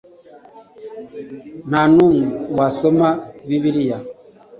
nta n'umwe wasoma bibiliya